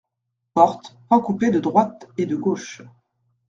Portes, pan coupé de droite et de gauche.